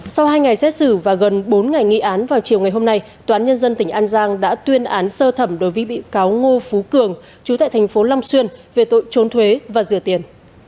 sau hai ngày xét xử và gần bốn ngày nghị án vào chiều ngày hôm nay toán nhân dân tỉnh an giang đã tuyên án sơ thẩm đối với bị cáo ngô phú cường chú tại thành phố long xuyên về tội trốn thuế và rửa tiền